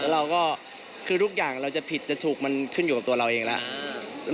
เราก็คือทุกอย่างเราจะผิดจะถูกมันขึ้นอยู่กับตัวเราเองแล้ว